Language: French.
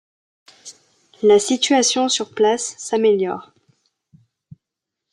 La situation sur place s'améliore.